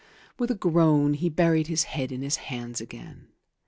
With a groan he buried his head in his hands again.